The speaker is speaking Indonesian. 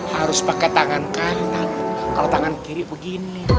harus pakai tangan kanan kalau tangan kiri begini